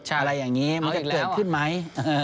อะไรอย่างนี้มันจะเกิดขึ้นไหม